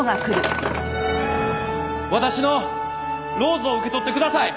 私のローズを受け取ってください。